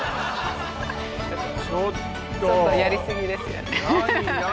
ちょっとちょっとやりすぎですよね何？